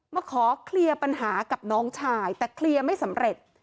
มาขอเคลียร์ปัญหากับน้องชายแต่เคลียร์ไม่สำเร็จ